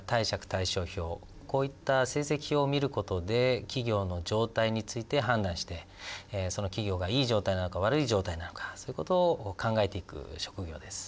こういった成績表を見る事で企業の状態について判断してその企業がいい状態なのか悪い状態なのかそういう事を考えていく職業です。